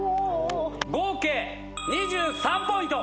合計２３ポイント！